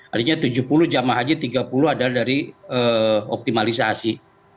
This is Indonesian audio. artinya tujuh puluh jemaah haji tiga puluh adalah dari optimalisasi